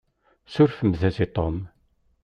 Ssurfemt-as i Tom.